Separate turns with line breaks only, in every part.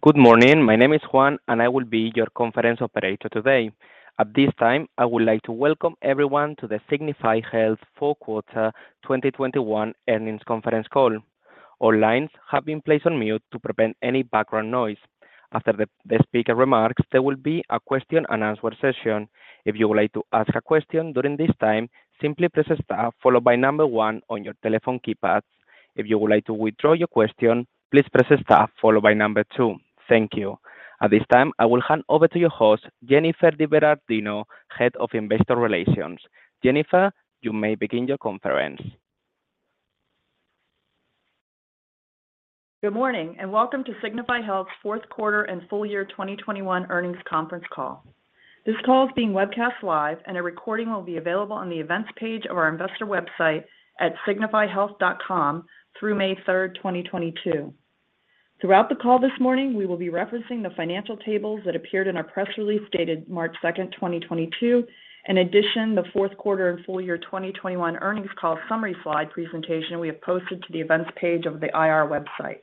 Good morning. My name is Juan, and I will be your conference operator today. At this time, I would like to welcome everyone to the Signify Health fourth quarter 2021 earnings conference call. All lines have been placed on mute to prevent any background noise. After the speaker remarks, there will be a question-and-answer session. If you would like to ask a question during this time, simply press Star followed by number one on your telephone keypads. If you would like to withdraw your question, please press Star followed by number two. Thank you. At this time, I will hand over to your host, Jennifer DiBerardino, Head of Investor Relations. Jennifer, you may begin your conference.
Good morning, and welcome to Signify Health's fourth quarter and full year 2021 earnings conference call. This call is being webcast live and a recording will be available on the events page of our investor website at signifyhealth.com through May 3rd, 2022. Throughout the call this morning, we will be referencing the financial tables that appeared in our press release dated March 2nd, 2022. In addition, the fourth quarter and full-year 2021 earnings call summary slide presentation we have posted to the events page of the IR website.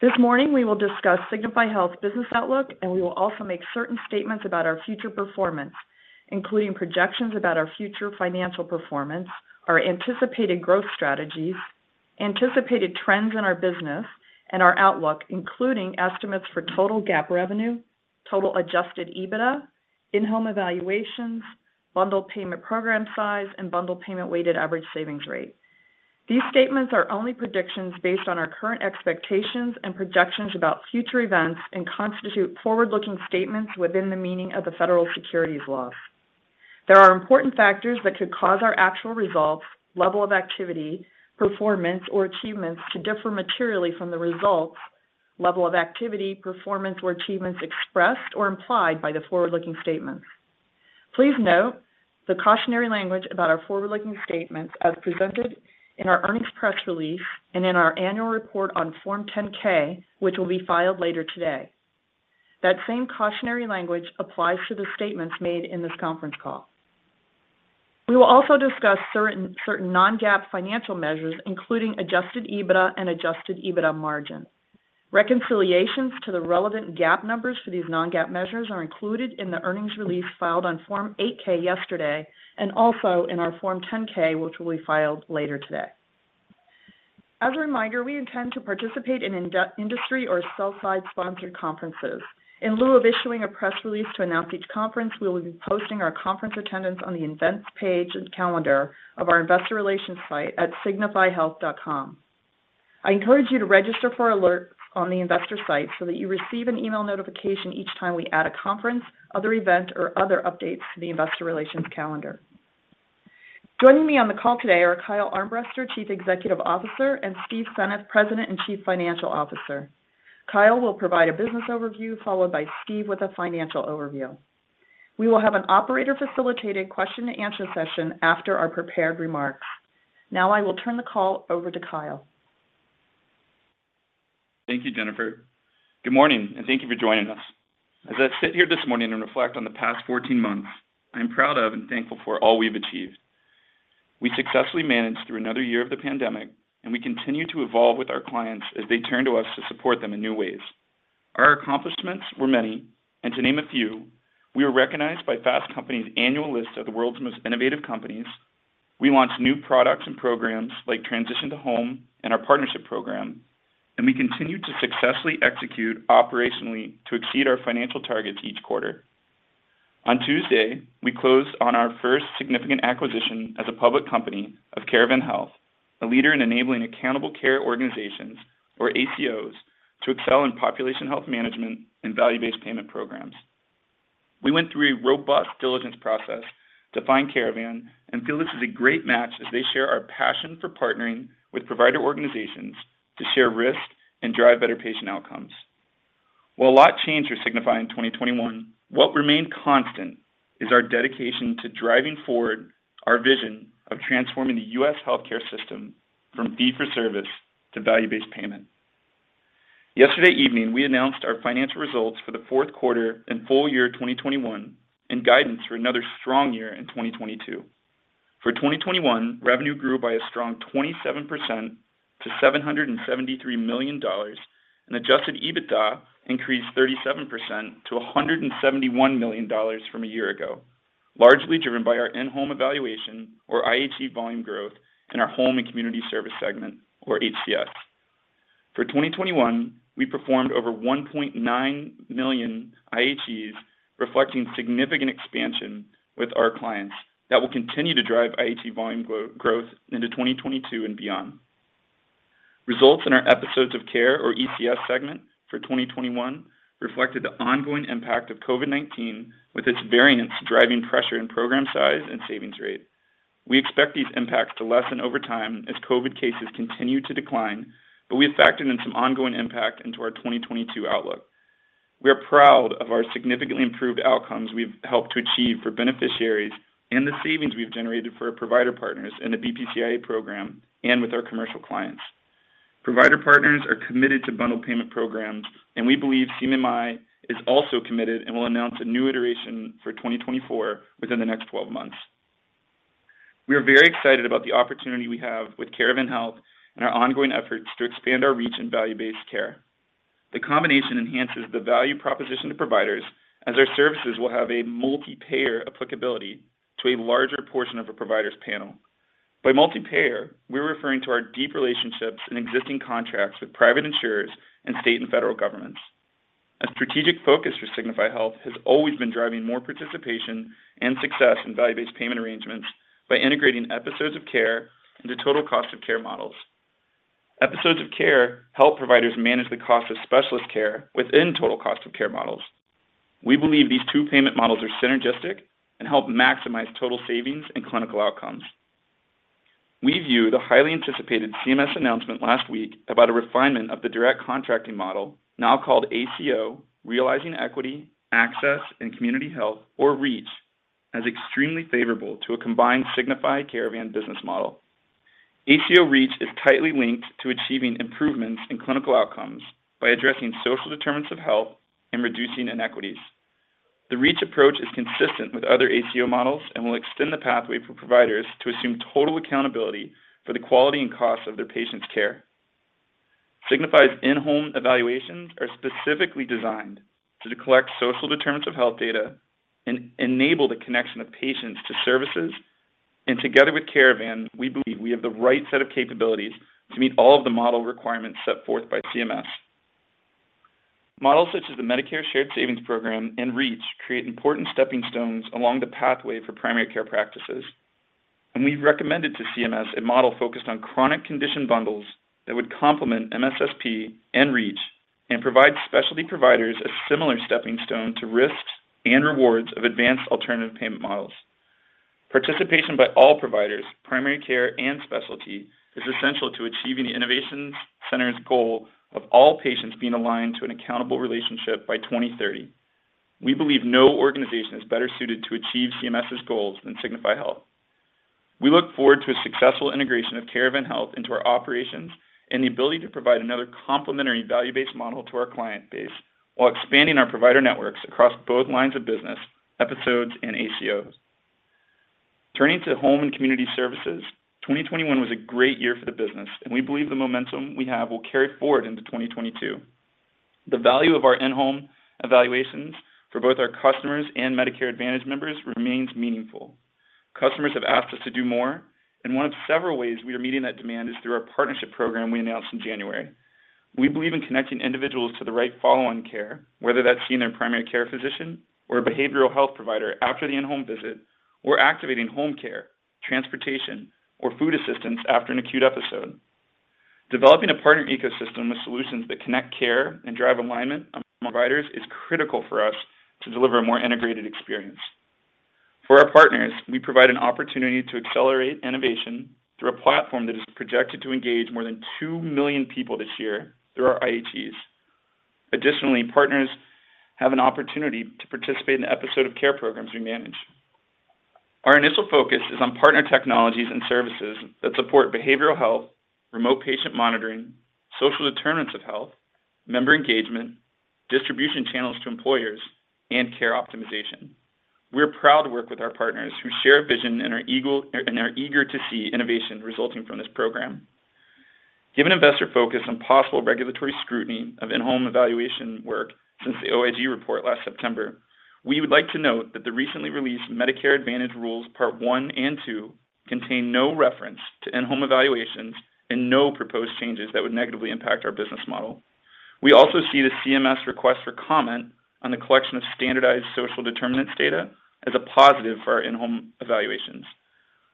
This morning, we will discuss Signify Health's business outlook, and we will also make certain statements about our future performance, including projections about our future financial performance, our anticipated growth strategies, anticipated trends in our business, and our outlook, including estimates for total GAAP revenue, total adjusted EBITDA, in-home evaluations, bundled payment program size, and bundled payment weighted average savings rate. These statements are only predictions based on our current expectations and projections about future events and constitute forward-looking statements within the meaning of the federal securities laws. There are important factors that could cause our actual results, level of activity, performance, or achievements to differ materially from the results, level of activity, performance or achievements expressed or implied by the forward-looking statements. Please note the cautionary language about our forward-looking statements as presented in our earnings press release and in our Annual Report on Form 10-K, which will be filed later today. That same cautionary language applies to the statements made in this conference call. We will also discuss certain non-GAAP financial measures, including adjusted EBITDA and adjusted EBITDA margin. Reconciliations to the relevant GAAP numbers for these non-GAAP measures are included in the earnings release filed on Form 8-K yesterday and also in our Form 10-K, which will be filed later today. As a reminder, we intend to participate in industry or sell-side sponsored conferences. In lieu of issuing a press release to announce each conference, we will be posting our conference attendance on the events page and calendar of our investor relations site at signifyhealth.com. I encourage you to register for alerts on the investor site so that you receive an email notification each time we add a conference, other event, or other updates to the investor relations calendar. Joining me on the call today are Kyle Armbrester, Chief Executive Officer, and Steve Senneff, President and Chief Financial Officer. Kyle will provide a business overview, followed by Steve with a financial overview. We will have an operator facilitated question-and-answer session after our prepared remarks. Now I will turn the call over to Kyle.
Thank you, Jennifer. Good morning, and thank you for joining us. As I sit here this morning and reflect on the past 14 months, I am proud of and thankful for all we've achieved. We successfully managed through another year of the pandemic, and we continue to evolve with our clients as they turn to us to support them in new ways. Our accomplishments were many, and to name a few, we were recognized by Fast Company's annual list of the World's Most Innovative Companies. We launched new products and programs like Transition to Home and our partnership program, and we continued to successfully execute operationally to exceed our financial targets each quarter. On Tuesday, we closed on our first significant acquisition as a public company of Caravan Health, a leader in enabling accountable care organizations, or ACOs, to excel in population health management and value-based payment programs. We went through a robust diligence process to find Caravan and feel this is a great match as they share our passion for partnering with provider organizations to share risk and drive better patient outcomes. While a lot changed for Signify in 2021, what remained constant is our dedication to driving forward our vision of transforming the U.S. healthcare system from fee-for-service to value-based payment. Yesterday evening, we announced our financial results for the fourth quarter and full-year 2021 and guidance for another strong year in 2022. For 2021, revenue grew by a strong 27% to $773 million and adjusted EBITDA increased 37% to $171 million from a year ago, largely driven by our in-home evaluation or IHE volume growth in our Home and Community Service segment or HCS. For 2021, we performed over 1.9 million IHEs, reflecting significant expansion with our clients that will continue to drive IHE volume growth into 2022 and beyond. Results in our episodes of care or ECS segment for 2021 reflected the ongoing impact of COVID-19 with its variants driving pressure in program size and savings rate. We expect these impacts to lessen over time as COVID cases continue to decline, but we have factored in some ongoing impact into our 2022 outlook. We are proud of our significantly improved outcomes we've helped to achieve for beneficiaries and the savings we've generated for our provider partners in the BPCI-A program and with our commercial clients. Provider partners are committed to bundled payment programs, and we believe CMMI is also committed and will announce a new iteration for 2024 within the next 12 months. We are very excited about the opportunity we have with Caravan Health and our ongoing efforts to expand our reach in value-based care. The combination enhances the value proposition to providers as our services will have a multi-payer applicability to a larger portion of a provider's panel. By multi-payer, we're referring to our deep relationships and existing contracts with private insurers and state and federal governments. A strategic focus for Signify Health has always been driving more participation and success in value-based payment arrangements by integrating episodes of care into total cost of care models. Episodes of care help providers manage the cost of specialist care within total cost of care models. We believe these two payment models are synergistic and help maximize total savings and clinical outcomes. We view the highly anticipated CMS announcement last week about a refinement of the direct contracting model, now called ACO, Realizing Equity, Access, and Community Health, or REACH, as extremely favorable to a combined Signify Caravan business model. ACO REACH is tightly linked to achieving improvements in clinical outcomes by addressing social determinants of health and reducing inequities. The REACH approach is consistent with other ACO models and will extend the pathway for providers to assume total accountability for the quality and cost of their patients' care. Signify's in-home evaluations are specifically designed to collect social determinants of health data and enable the connection of patients to services. Together with Caravan, we believe we have the right set of capabilities to meet all of the model requirements set forth by CMS. Models such as the Medicare Shared Savings Program and REACH create important stepping stones along the pathway for primary care practices. We've recommended to CMS a model focused on chronic condition bundles that would complement MSSP and REACH and provide specialty providers a similar stepping stone to risks and rewards of advanced alternative payment models. Participation by all providers, primary care and specialty, is essential to achieving the Innovation Center's goal of all patients being aligned to an accountable relationship by 2030. We believe no organization is better suited to achieve CMS's goals than Signify Health. We look forward to a successful integration of Caravan Health into our operations and the ability to provide another complementary value-based model to our client base while expanding our provider networks across both lines of business, episodes, and ACOs. Turning to Home and Community Services, 2021 was a great year for the business, and we believe the momentum we have will carry forward into 2022. The value of our in-home evaluations for both our customers and Medicare Advantage members remains meaningful. Customers have asked us to do more, and one of several ways we are meeting that demand is through our partnership program we announced in January. We believe in connecting individuals to the right follow-on care, whether that's seeing their primary care physician or a behavioral health provider after the in-home visit or activating home care, transportation, or food assistance after an acute episode. Developing a partner ecosystem with solutions that connect care and drive alignment among providers is critical for us to deliver a more integrated experience. For our partners, we provide an opportunity to accelerate innovation through a platform that is projected to engage more than 2 million people this year through our IHEs. Additionally, partners have an opportunity to participate in the episode of care programs we manage. Our initial focus is on partner technologies and services that support behavioral health, remote patient monitoring, social determinants of health, member engagement, distribution channels to employers, and care optimization. We're proud to work with our partners who share a vision and are eager to see innovation resulting from this program. Given investor focus on possible regulatory scrutiny of in-home evaluation work since the OIG report last September, we would like to note that the recently released Medicare Advantage Rules Part 1 and 2 contain no reference to in-home evaluations and no proposed changes that would negatively impact our business model. We also see the CMS request for comment on the collection of standardized social determinants data as a positive for our in-home evaluations.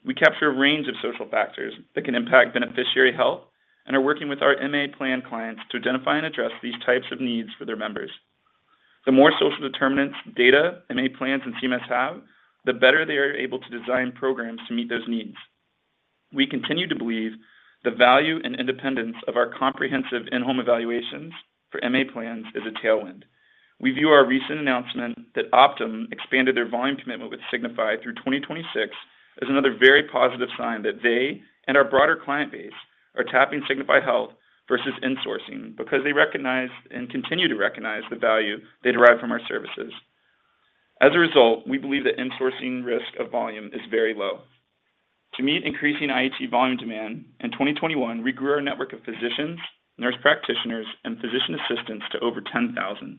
We capture a range of social factors that can impact beneficiary health and are working with our MA plan clients to identify and address these types of needs for their members. The more social determinants data MA plans and CMS have, the better they are able to design programs to meet those needs. We continue to believe the value and independence of our comprehensive in-home evaluations for MA plans is a tailwind. We view our recent announcement that Optum expanded their volume commitment with Signify through 2026 as another very positive sign that they and our broader client base are tapping Signify Health versus insourcing because they recognize and continue to recognize the value they derive from our services. As a result, we believe the insourcing risk of volume is very low. To meet increasing IHE volume demand, in 2021, we grew our network of physicians, nurse practitioners, and physician assistants to over 10,000.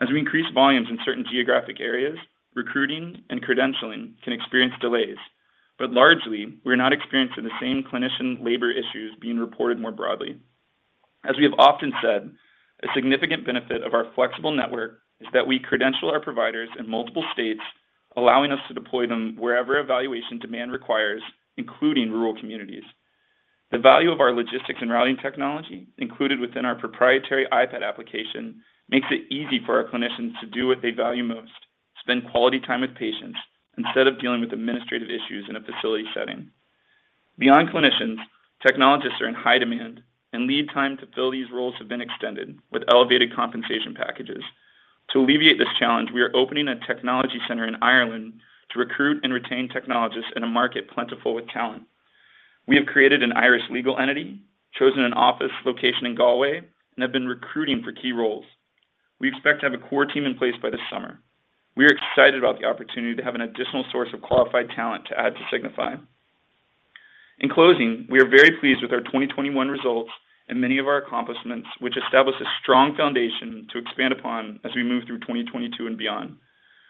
As we increase volumes in certain geographic areas, recruiting and credentialing can experience delays. Largely, we're not experiencing the same clinician labor issues being reported more broadly. As we have often said, a significant benefit of our flexible network is that we credential our providers in multiple states, allowing us to deploy them wherever evaluation demand requires, including rural communities. The value of our logistics and routing technology included within our proprietary iPad application makes it easy for our clinicians to do what they value most, spend quality time with patients instead of dealing with administrative issues in a facility setting. Beyond clinicians, technologists are in high demand, and lead time to fill these roles have been extended with elevated compensation packages. To alleviate this challenge, we are opening a technology center in Ireland to recruit and retain technologists in a market plentiful with talent. We have created an Irish legal entity, chosen an office location in Galway, and have been recruiting for key roles. We expect to have a core team in place by this summer. We are excited about the opportunity to have an additional source of qualified talent to add to Signify. In closing, we are very pleased with our 2021 results and many of our accomplishments, which establish a strong foundation to expand upon as we move through 2022 and beyond.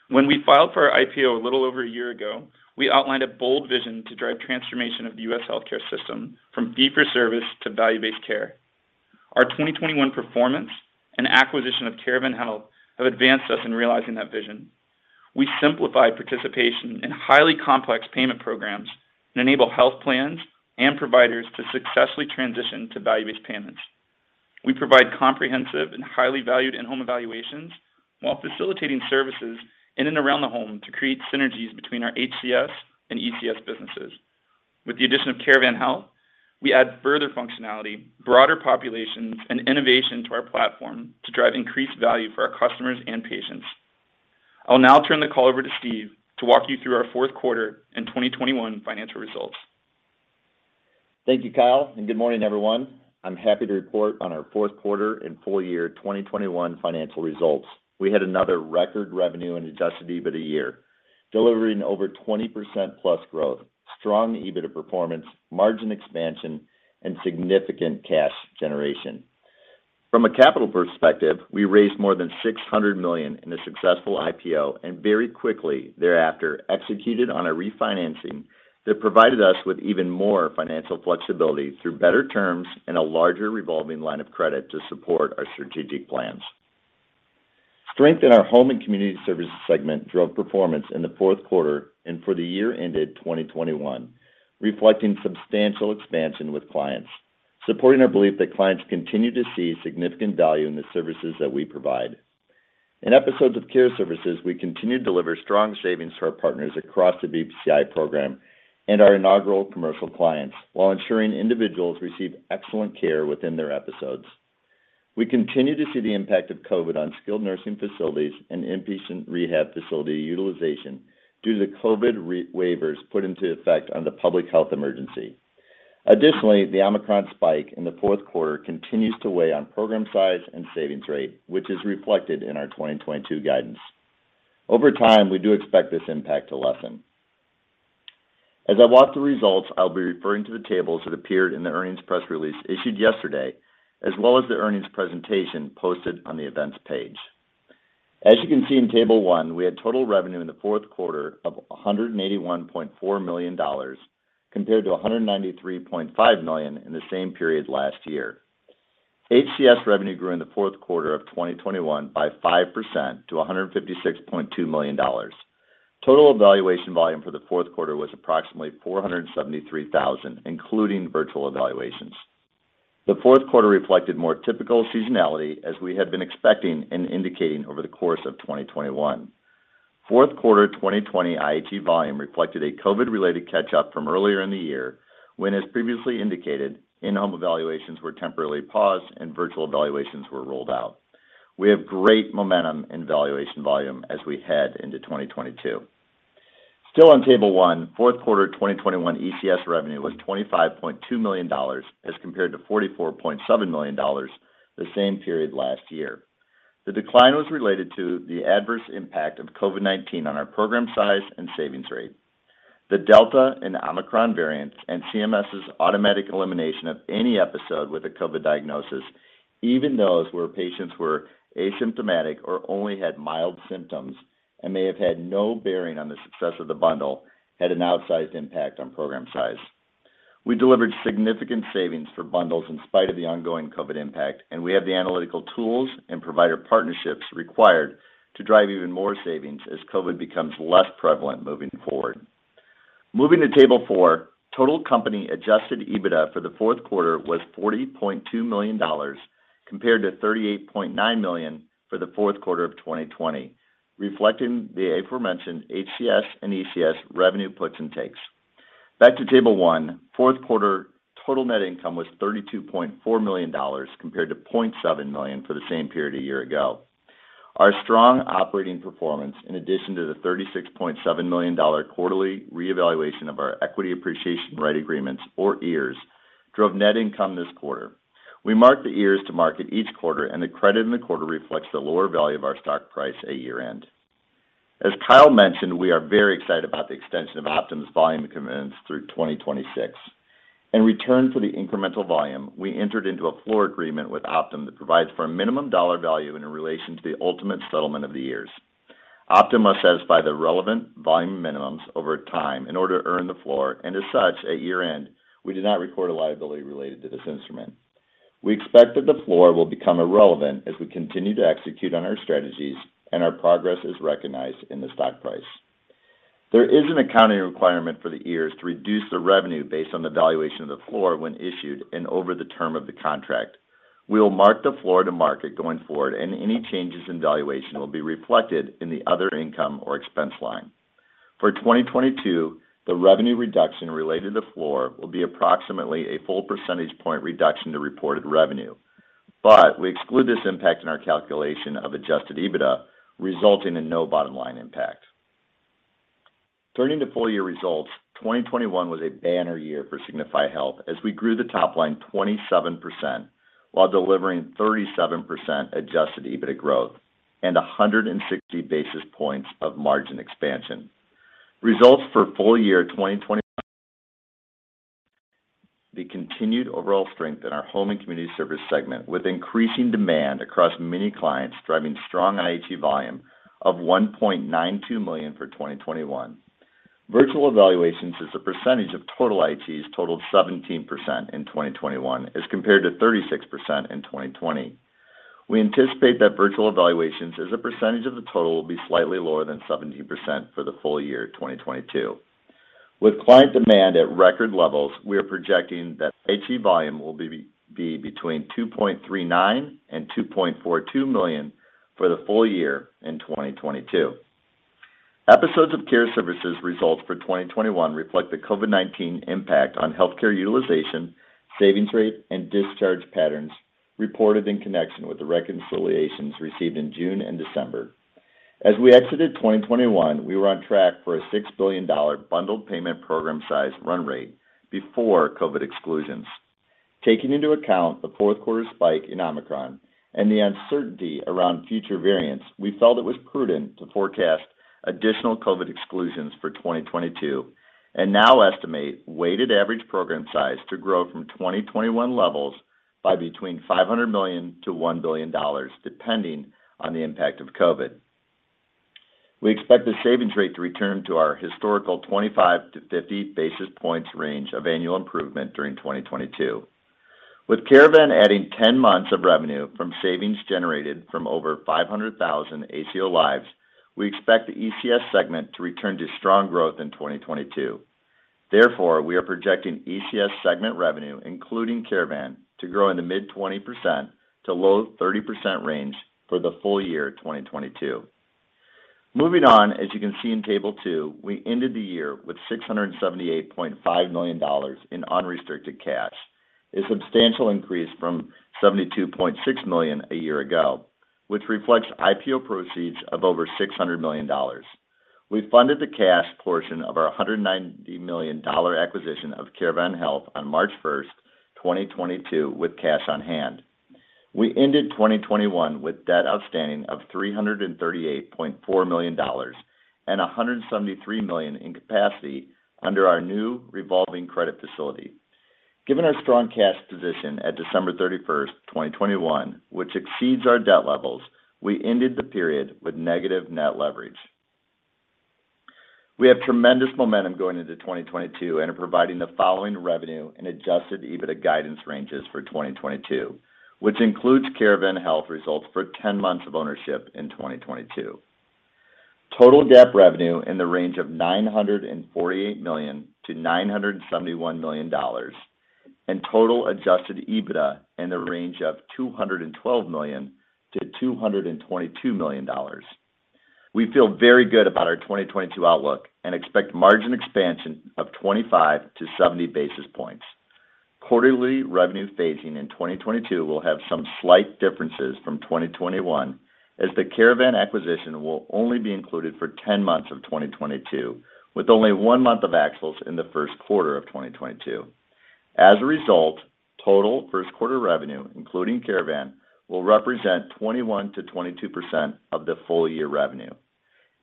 When we filed for our IPO a little over a year ago, we outlined a bold vision to drive transformation of the U.S. healthcare system from fee-for-service to value-based care. Our 2021 performance and acquisition of Caravan Health have advanced us in realizing that vision. We simplify participation in highly complex payment programs and enable health plans and providers to successfully transition to value-based payments. We provide comprehensive and highly valued in-home evaluations while facilitating services in and around the home to create synergies between our HCS and ECS businesses. With the addition of Caravan Health, we add further functionality, broader populations, and innovation to our platform to drive increased value for our customers and patients. I'll now turn the call over to Steve to walk you through our fourth quarter and 2021 financial results.
Thank you, Kyle, and good morning, everyone. I'm happy to report on our fourth quarter and full-year 2021 financial results. We had another record revenue and adjusted EBITDA year, delivering over 20%+ growth, strong EBITDA performance, margin expansion, and significant cash generation. From a capital perspective, we raised more than $600 million in a successful IPO and very quickly thereafter executed on a refinancing that provided us with even more financial flexibility through better terms and a larger revolving line of credit to support our strategic plans. Strength in our Home and Community Services segment drove performance in the fourth quarter and for the year-ended 2021, reflecting substantial expansion with clients, supporting our belief that clients continue to see significant value in the services that we provide. In episodes of Care Services, we continue to deliver strong savings to our partners across the BPCI program and our Inaugural Commercial clients while ensuring individuals receive excellent care within their episodes. We continue to see the impact of COVID on skilled nursing facilities and inpatient rehab facility utilization due to COVID regulatory waivers put into effect on the public health emergency. Additionally, the Omicron spike in the fourth quarter continues to weigh on program size and savings rate, which is reflected in our 2022 guidance. Over time, we do expect this impact to lessen. As I walk through the results, I'll be referring to the tables that appeared in the earnings press release issued yesterday, as well as the earnings presentation posted on the events page. As you can see in Table 1, we had total revenue in the fourth quarter of $181.4 million, compared to $193.5 million in the same period last year. HCS revenue grew in the fourth quarter of 2021 by 5% to $156.2 million. Total evaluation volume for the fourth quarter was approximately 473,000, including virtual evaluations. The fourth quarter reflected more typical seasonality as we had been expecting and indicating over the course of 2021. Fourth quarter 2020 IHE volume reflected a COVID-related catch-up from earlier in the year when, as previously indicated, in-home evaluations were temporarily paused and virtual evaluations were rolled out. We have great momentum in evaluation volume as we head into 2022. Still on Table 1, fourth quarter 2021 ECS revenue was $25.2 million as compared to $44.7 million the same period last year. The decline was related to the adverse impact of COVID-19 on our program size and savings rate. The Delta and Omicron variants and CMS's automatic elimination of any episode with a COVID diagnosis, even those where patients were asymptomatic or only had mild symptoms and may have had no bearing on the success of the bundle, had an outsized impact on program size. We delivered significant savings for bundles in spite of the ongoing COVID impact, and we have the analytical tools and provider partnerships required to drive even more savings as COVID becomes less prevalent moving forward. Moving to Table 4, total company adjusted EBITDA for the fourth quarter was $40.2 million compared to $38.9 million for the fourth quarter of 2020, reflecting the aforementioned HCS and ECS revenue puts and takes. Back to Table 1, fourth quarter total net income was $32.4 million compared to $0.7 million for the same period a year ago. Our strong operating performance, in addition to the $36.7 million quarterly reevaluation of our equity appreciation right agreements, or EARs, drove net income this quarter. We mark the EARs to market each quarter, and the credit in the quarter reflects the lower value of our stock price at year-end. As Kyle mentioned, we are very excited about the extension of Optum's volume commitments through 2026. In return for the incremental volume, we entered into a floor agreement with Optum that provides for a minimum dollar value in relation to the ultimate settlement of the year. Optum must satisfy the relevant volume minimums over time in order to earn the floor, and as such, at year-end, we did not record a liability related to this instrument. We expect that the floor will become irrelevant as we continue to execute on our strategies, and our progress is recognized in the stock price. There is an accounting requirement for the year to reduce the revenue based on the valuation of the floor when issued and over the term of the contract. We will mark the floor to market going forward, and any changes in valuation will be reflected in the other income or expense line. For 2022, the revenue reduction related to floor will be approximately a full percentage point reduction to reported revenue. We exclude this impact in our calculation of adjusted EBITDA, resulting in no bottom line impact. Turning to full-year results, 2021 was a banner year for Signify Health as we grew the top line 27% while delivering 37% adjusted EBITDA growth and 160 basis points of margin expansion. Results for full-year 2021, the continued overall strength in our Home and Community Services segment, with increasing demand across many clients, driving strong IHE volume of 1.92 million for 2021. Virtual evaluations as a percentage of total IHEs totaled 17% in 2021 as compared to 36% in 2020. We anticipate that virtual evaluations as a percentage of the total will be slightly lower than 17% for the full-year 2022. With client demand at record levels, we are projecting that IHE volume will be between 2.39 million and 2.42 million for the full-year in 2022. Episodes of Care Services results for 2021 reflect the COVID-19 impact on healthcare utilization, savings rate, and discharge patterns reported in connection with the reconciliations received in June and December. As we exited 2021, we were on track for a $6 billion bundled payment program size run rate before COVID exclusions. Taking into account the fourth quarter spike in Omicron and the uncertainty around future variants, we felt it was prudent to forecast additional COVID exclusions for 2022, and now estimate weighted average program size to grow from 2021 levels by between $500 million-$1 billion, depending on the impact of COVID. We expect the savings rate to return to our historical 25-50 basis points range of annual improvement during 2022. With Caravan adding 10 months of revenue from savings generated from over 500,000 ACO lives, we expect the ECS segment to return to strong growth in 2022. Therefore, we are projecting ECS segment revenue, including Caravan, to grow in the mid-20% to low-30% range for the full-year 2022. Moving on, as you can see in Table 2, we ended the year with $678.5 million in unrestricted cash, a substantial increase from $72.6 million a year ago, which reflects IPO proceeds of over $600 million. We funded the cash portion of our $190 million acquisition of Caravan Health on March 1st, 2022 with cash on hand. We ended 2021 with debt outstanding of $338.4 million and $173 million in capacity under our new revolving credit facility. Given our strong cash position at December 31st, 2021, which exceeds our debt levels, we ended the period with negative net leverage. We have tremendous momentum going into 2022 and are providing the following revenue and adjusted EBITDA guidance ranges for 2022, which includes Caravan Health results for 10 months of ownership in 2022. Total GAAP revenue in the range of $948 million-$971 million, and total adjusted EBITDA in the range of $212 million-$222 million. We feel very good about our 2022 outlook and expect margin expansion of 25-70 basis points. Quarterly revenue phasing in 2022 will have some slight differences from 2021, as the Caravan acquisition will only be included for 10 months of 2022, with only one month of actuals in the first quarter of 2022. As a result, total first quarter revenue, including Caravan, will represent 21%-22% of the full-year revenue.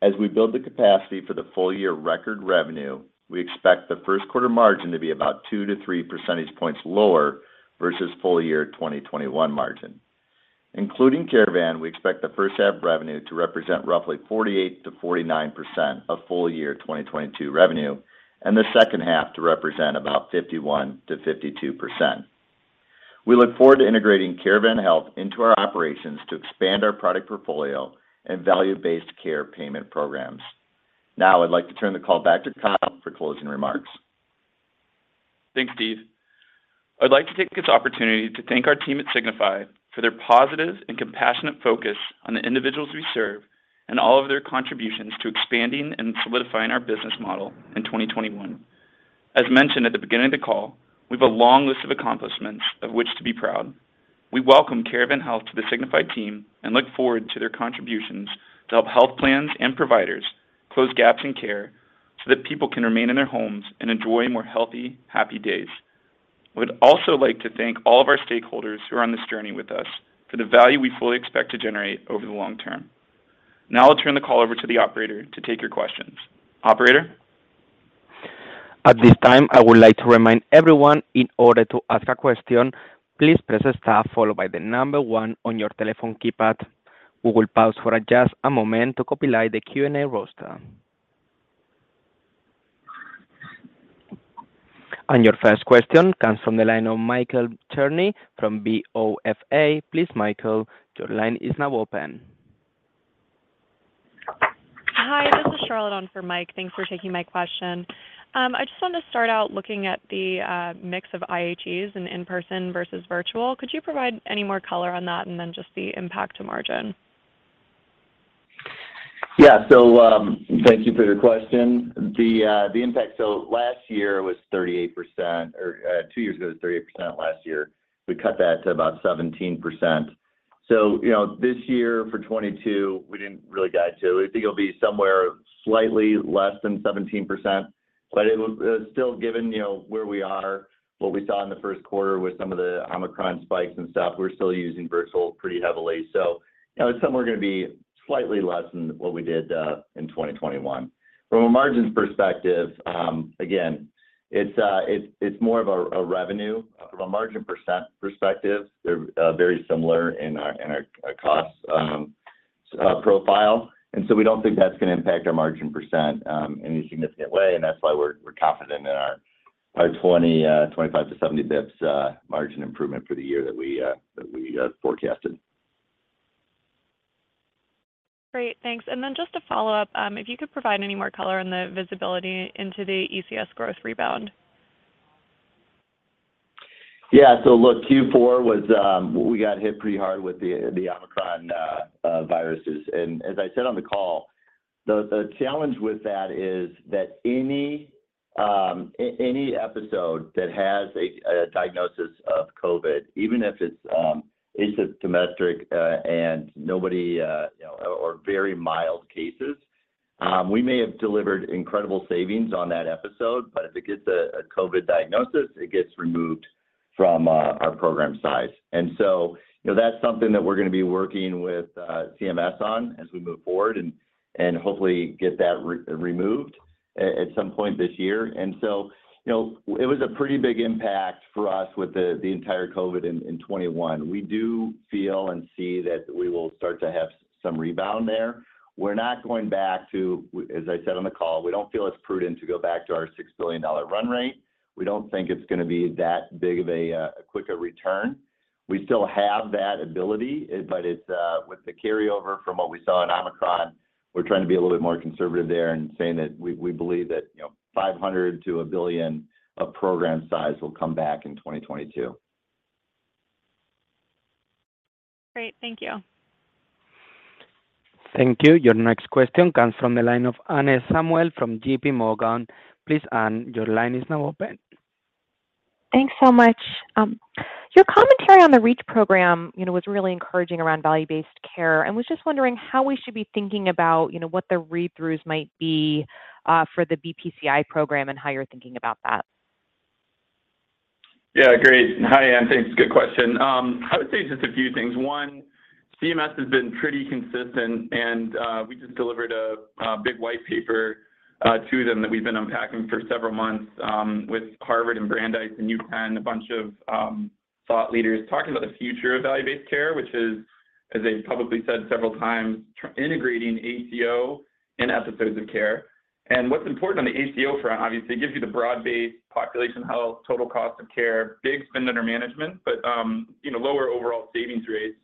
As we build the capacity for the full-year record revenue, we expect the first quarter margin to be about 2%-3% points lower versus full-year 2021 margin. Including Caravan, we expect the first half revenue to represent roughly 48%-49% of full-year 2022 revenue, and the second half to represent about 51%-52%. We look forward to integrating Caravan Health into our operations to expand our product portfolio and value-based care payment programs. Now I'd like to turn the call back to Kyle for closing remarks.
Thanks, Steve. I'd like to take this opportunity to thank our team at Signify for their positive and compassionate focus on the individuals we serve and all of their contributions to expanding and solidifying our business model in 2021. As mentioned at the beginning of the call, we have a long list of accomplishments of which to be proud. We welcome Caravan Health to the Signify team and look forward to their contributions to help health plans and providers close gaps in care so that people can remain in their homes and enjoy more healthy, happy days. I would also like to thank all of our stakeholders who are on this journey with us for the value we fully expect to generate over the long-term. Now I'll turn the call over to the operator to take your questions. Operator?
At this time, I would like to remind everyone in order to ask a question, please press Star followed by the number one on your telephone keypad. We will pause for just a moment to compile the Q&A roster. Your first question comes from the line of Michael Cherny from BofA. Please, Michael, your line is now open.
Hi, this is Charlotte on for Mike. Thanks for taking my question. I just wanted to start out looking at the mix of IHEs and in-person versus virtual. Could you provide any more color on that? Just the impact to margin.
Yeah. Thank you for your question. Last year was 38%, or two years ago was 38%. Last year we cut that to about 17%. This year for 2022 we didn't really guide to. We think it'll be somewhere slightly less than 17%. But it will still given where we are, what we saw in the first quarter with some of the Omicron spikes and stuff, we're still using virtual pretty heavily. It's somewhere gonna be slightly less than what we did in 2021. From a margins perspective, again, it's more of a revenue. From a margin percent perspective they're very similar in our costs profile. We don't think that's gonna impact our margin percent in a significant way. That's why we're confident in our 25-70 basis points margin improvement for the year that we forecasted.
Great. Thanks. Just a follow-up, if you could provide any more color on the visibility into the ECS growth rebound?
Yeah. Look, Q4 was we got hit pretty hard with the Omicron viruses. As I said on the call, the challenge with that is that any episode that has a diagnosis of COVID, even if it's asymptomatic and nobody you know or very mild cases, we may have delivered incredible savings on that episode. If it gets a COVID diagnosis, it gets removed from our program size. You know, that's something that we're gonna be working with CMS on as we move forward and hopefully get that re-removed at some point this year. You know, it was a pretty big impact for us with the entire COVID in 2021. We do feel and see that we will start to have some rebound there. We're not going back to, as I said on the call, we don't feel it's prudent to go back to our $6 billion run rate. We don't think it's gonna be that big of a quicker return. We still have that ability, but it's with the carryover from what we saw in Omicron, we're trying to be a little bit more conservative there in saying that we believe that, you know, $500 million-$1 billion of program size will come back in 2022.
Great. Thank you.
Thank you. Your next question comes from the line of Anne Samuel from JPMorgan. Please, Anne, your line is now open.
Thanks so much. Your commentary on the REACH program, you know, was really encouraging around value-based care. I was just wondering how we should be thinking about, you know, what the read-throughs might be for the BPCI program and how you're thinking about that.
Yeah, great. Hi, Anne. Thanks. Good question. I would say just a few things. One, CMS has been pretty consistent, and we just delivered a big white paper to them that we've been unpacking for several months with Harvard and Brandeis and UPenn, a bunch of thought leaders talking about the future of value-based care, which is, as they've publicly said several times, integrating ACO and episodes of care. What's important on the ACO front, obviously, it gives you the broad-based population health, total cost of care, big spend under management, but you know, lower overall savings rates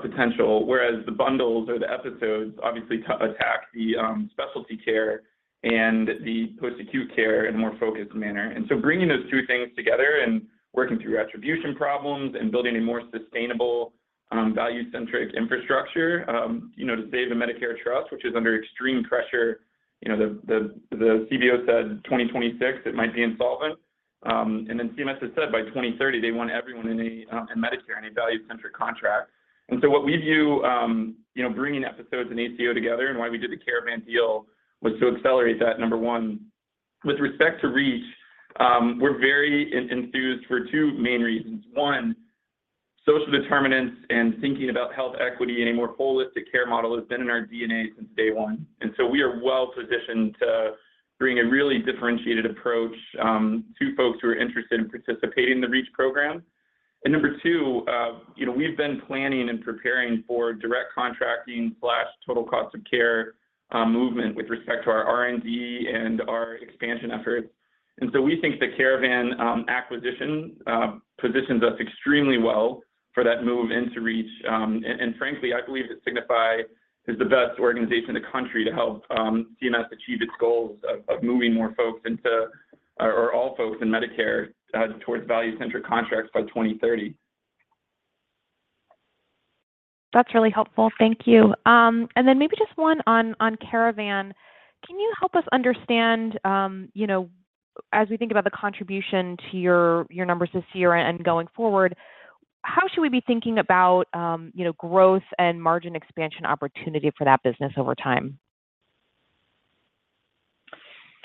potential, whereas the bundles or the episodes obviously attack the specialty care and the post-acute care in a more focused manner. Bringing those two things together and working through attribution problems and building a more sustainable, value-centric infrastructure, you know, to save the Medicare trust, which is under extreme pressure. You know, the CBO said 2026 it might be insolvent. CMS has said by 2030 they want everyone in Medicare in a value-centric contract. What we view, you know, bringing episodes and ACO together and why we did the Caravan deal was to accelerate that, Number 1. With respect to REACH, we're very enthused for two main reasons. One, social determinants and thinking about health equity in a more holistic care model has been in our DNA since day one, and so we are well positioned to bring a really differentiated approach to folks who are interested in participating in the REACH program. Number 2, you know, we've been planning and preparing for direct contracting/total cost of care movement with respect to our R&D and our expansion efforts. We think the Caravan acquisition positions us extremely well for that move into REACH. Frankly, I believe that Signify is the best organization in the country to help CMS achieve its goals of moving more folks into, or all folks in Medicare, towards value-centric contracts by 2030.
That's really helpful. Thank you. Maybe just one on Caravan. Can you help us understand, you know, as we think about the contribution to your numbers this year and going forward, how should we be thinking about, you know, growth and margin expansion opportunity for that business over time?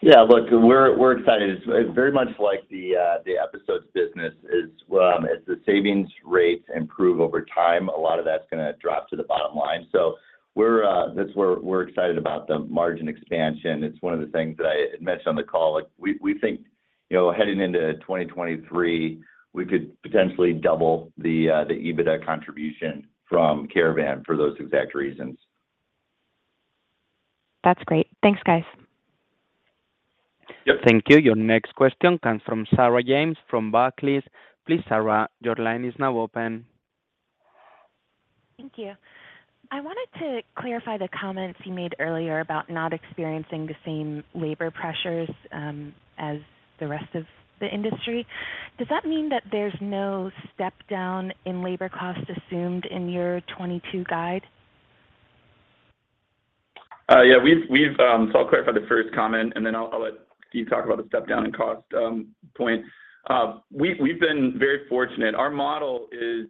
Yeah. Look, we're excited. It's very much like the episodes business is as the savings rates improve over time, a lot of that's gonna drop to the bottom line. That's where we're excited about the margin expansion. It's one of the things that I had mentioned on the call. Like, we think, you know, heading into 2023, we could potentially double the EBITDA contribution from Caravan for those exact reasons.
That's great. Thanks, guys.
Yep.
Thank you. Your next question comes from Sarah James from Barclays. Please, Sarah, your line is now open.
Thank you. I wanted to clarify the comments you made earlier about not experiencing the same labor pressures as the rest of the industry. Does that mean that there's no step down in labor cost assumed in your 2022 guide?
Yeah, we've been very fortunate. I'll clarify the first comment, and then I'll let Steve talk about the step down in cost point. Our model is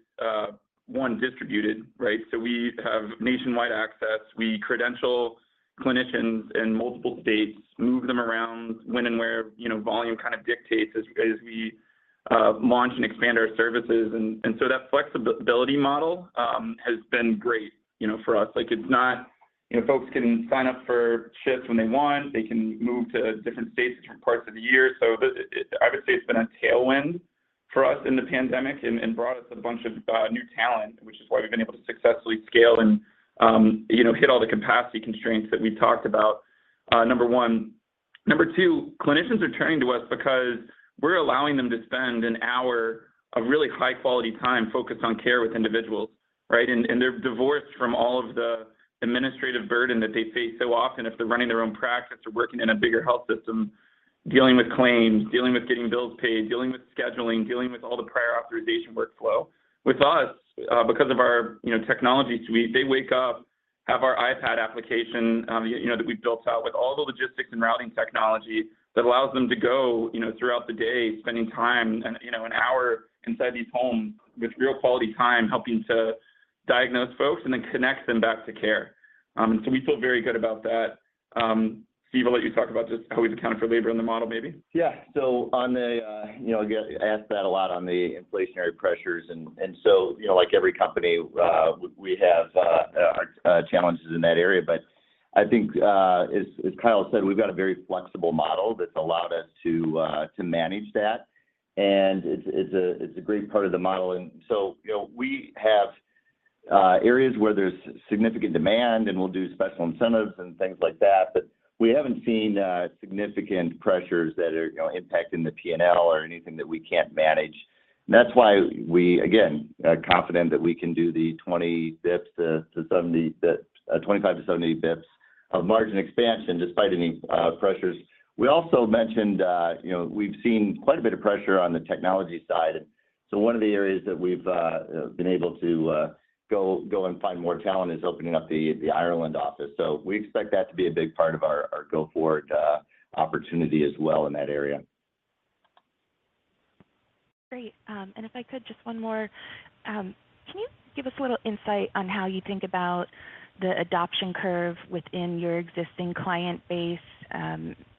one distributed, right? We have nationwide access. We credential clinicians in multiple states, move them around when and where, you know, volume kind of dictates as we launch and expand our services. That flexibility model has been great, you know, for us. Like, it's not, you know, folks can sign up for shifts when they want. They can move to different states, different parts of the year. I would say it's been a tailwind for us in the pandemic and brought us a bunch of new talent, which is why we've been able to successfully scale and you know hit all the capacity constraints that we talked about, Number 1. Number 2, clinicians are turning to us because we're allowing them to spend an hour of really high quality time focused on care with individuals, right? They're divorced from all of the administrative burden that they face so often if they're running their own practice or working in a bigger health system, dealing with claims, dealing with getting bills paid, dealing with scheduling, dealing with all the prior authorization workflow. With us, because of our you know technology suite, they wake up, have our iPad application, you know, that we've built out with all the logistics and routing technology that allows them to go, you know, throughout the day, spending time and, you know, an hour inside these homes with real quality time helping to diagnose folks and then connect them back to care. We feel very good about that. Steve, I'll let you talk about just how we've accounted for labor in the model maybe.
Yeah. On the, you know, again, I ask that a lot on the inflationary pressures and so, you know, like every company, we have challenges in that area. I think, as Kyle said, we've got a very flexible model that's allowed us to manage that, and it's a great part of the model. You know, we have areas where there's significant demand, and we'll do special incentives and things like that. We haven't seen significant pressures that are, you know, impacting the P&L or anything that we can't manage. That's why we, again, are confident that we can do the 25-70 bps of margin expansion despite any pressures. We also mentioned, you know, we've seen quite a bit of pressure on the technology side. One of the areas that we've been able to go and find more talent is opening up the Ireland office. We expect that to be a big part of our go forward opportunity as well in that area.
Great. If I could just one more. Can you give us a little insight on how you think about the adoption curve within your existing client base,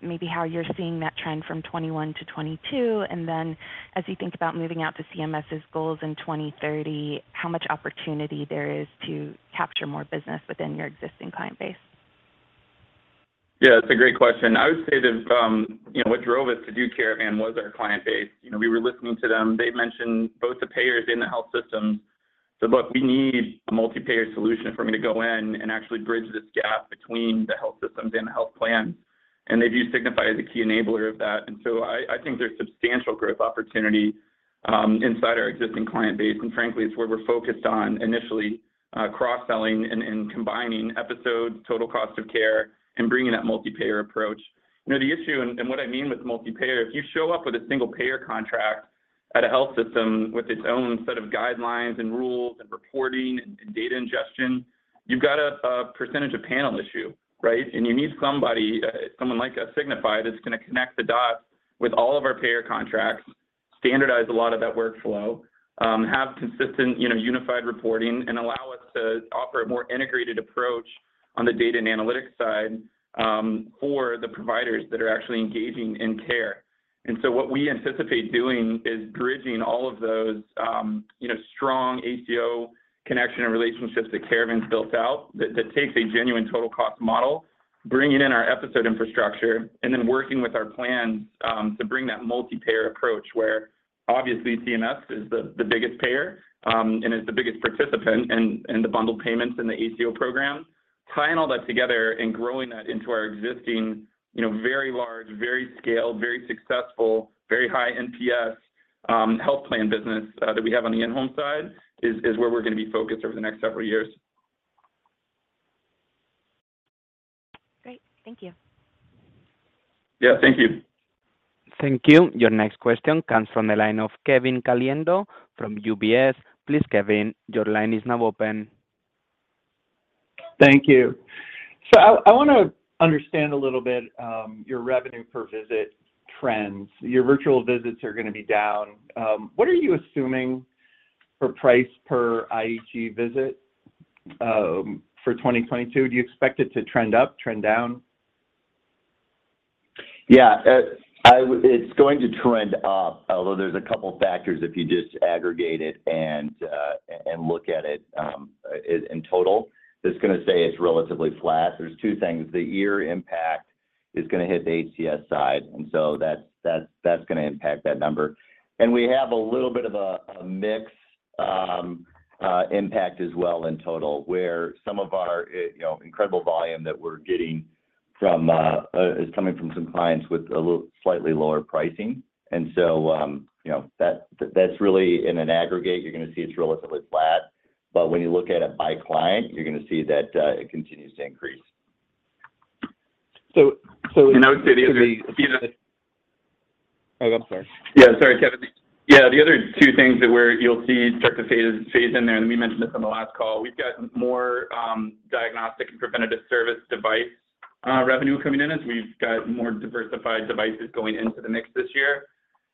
maybe how you're seeing that trend from 2021-2022? Then as you think about moving out to CMS's goals in 2030, how much opportunity there is to capture more business within your existing client base?
Yeah, it's a great question. I would say that, you know, what drove us to do Caravan was our client base. You know, we were listening to them. They mentioned both the payers in the health system said, Look, we need a multi-payer solution for me to go in and actually bridge this gap between the health systems and the health plan, and they view Signify as a key enabler of that. I think there's substantial growth opportunity inside our existing client base. Frankly, it's where we're focused on initially, cross-selling and combining episodes, total cost of care, and bringing that multi-payer approach. You know, the issue, and what I mean with multi-payer, if you show up with a single payer contract at a health system with its own set of guidelines and rules and reporting and data ingestion, you've got a percentage of panel issue, right? You need somebody, someone like a Signify that's gonna connect the dots with all of our payer contracts, standardize a lot of that workflow, have consistent, you know, unified reporting, and allow us to offer a more integrated approach on the data and analytics side, for the providers that are actually engaging in care. What we anticipate doing is bridging all of those, you know, strong ACO connection and relationships that Caravan's built out that takes a genuine total cost model, bringing in our episode infrastructure, and then working with our plans, to bring that multi-payer approach where obviously CMS is the biggest payer, and is the biggest participant in the bundled payments in the ACO program. Tying all that together and growing that into our existing, you know, very large, very scaled, very successful, very high NPS, health plan business, that we have on the in-home side is where we're gonna be focused over the next several years.
Great. Thank you.
Yeah, thank you.
Thank you. Your next question comes from the line of Kevin Caliendo from UBS. Please, Kevin, your line is now open.
Thank you. I wanna understand a little bit, your revenue per visit trends. Your virtual visits are gonna be down. What are you assuming for price per IHE visit, for 2022? Do you expect it to trend up, trend down?
Yeah. It's going to trend up, although there's a couple factors if you just aggregate it and look at it in total that's gonna say it's relatively flat. There's two things. The year impact is gonna hit the HCS side, and so that's gonna impact that number. We have a little bit of a mix impact as well in total, where some of our you know incredible volume that we're getting from is coming from some clients with a little slightly lower pricing. You know that's really in an aggregate, you're gonna see it's relatively flat, but when you look at it by client, you're gonna see that it continues to increase.
So, so-
I would say the, you know.
Oh, I'm sorry.
Yeah, sorry, Kevin. Yeah, the other two things that you'll see start to phase in there, and we mentioned this on the last call. We've got more diagnostic and preventative service device revenue coming in as we've got more diversified devices going into the mix this year.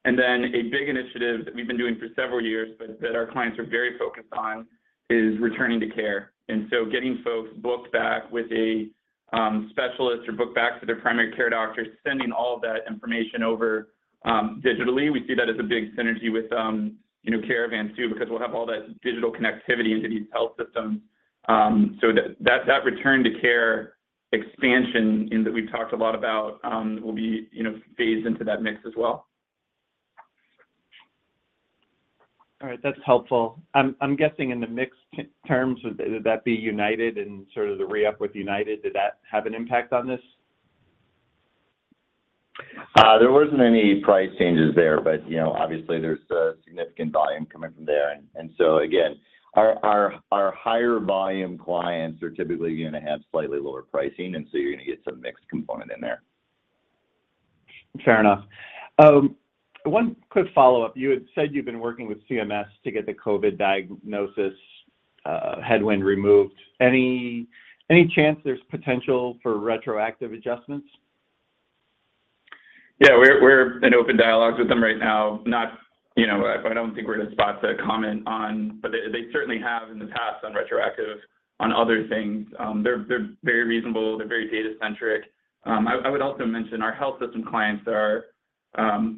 Then a big initiative that we've been doing for several years, but that our clients are very focused on, is returning to care. Getting folks booked back with a specialist or booked back to their primary care doctor, sending all of that information over digitally, we see that as a big synergy with you know, Caravan too, because we'll have all that digital connectivity into these health systems. That return to care expansion and that we've talked a lot about will be, you know, phased into that mix as well.
All right. That's helpful. I'm guessing in the metrics, would that be United and sort of the re-up with United, did that have an impact on this?
There wasn't any price changes there, but you know, obviously there's a significant volume coming from there. Again, our higher volume clients are typically gonna have slightly lower pricing, and so you're gonna get some mixed component in there.
Fair enough. One quick follow-up. You had said you've been working with CMS to get the COVID diagnosis headwind removed. Any chance there's potential for retroactive adjustments?
Yeah. We're in open dialogues with them right now. You know, I don't think we're in a spot to comment on. But they certainly have in the past on retroactive on other things. They're very reasonable. They're very data-centric. I would also mention our health system clients are